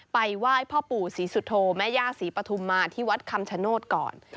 ไหว้พ่อปู่ศรีสุโธแม่ย่าศรีปฐุมมาที่วัดคำชโนธก่อน